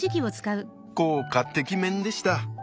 効果てきめんでした。